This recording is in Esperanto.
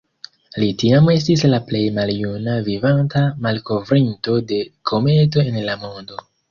Li tiam estis la plej maljuna vivanta malkovrinto de kometo en la mondo.